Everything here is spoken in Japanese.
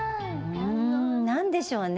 うん何でしょうね